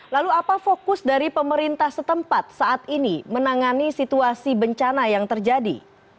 lalu apa fokus dari pemerintah setempat saat ini menangani situasi bencana yang terjadi